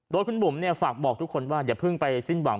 โดยคุณบุ๋มฝากบอกทุกคนว่าอย่าเพิ่งไปสิ้นหวัง